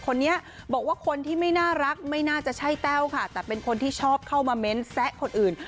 คนนี้บอกว่าคนที่ไม่น่ารักไม่น่าจะใช่แต้วค่ะแต่เป็นคนที่ชอบเข้ามาเม้นแซะคนอื่น